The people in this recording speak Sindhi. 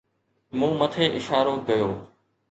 مون مٿي اشارو ڪيو